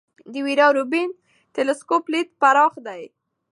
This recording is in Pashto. د ویرا روبین ټیلسکوپ لید پراخ دی.